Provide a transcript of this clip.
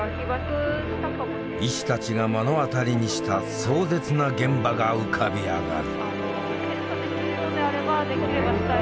医師たちが目の当たりにした壮絶な現場が浮かび上がる。